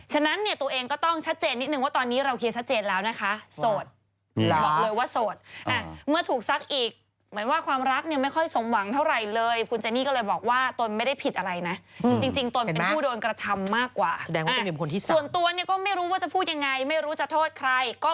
ฉะนั้นตัวเองก็ต้องชัดเจนนิดหนึ่งว่าตอนนี้เราเคลียร์ชัดเจนแล้วนะคะ